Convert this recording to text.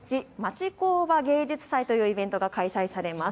ちこうば芸術祭というイベントが開催されます。